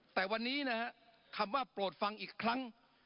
แต่วันนี้นะฮะคำว่าโปรดฟังอีกครั้ง